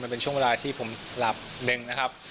เป็นช่วงเวลาที่ผมหลับดึงนะครับ